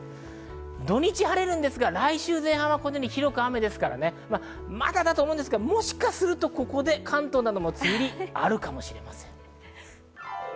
土日晴れるんですが、来週前半はこのように広く雨で、まだだと思うんですけれど、もしかするとここで関東なども梅雨入りがあるかもしれません。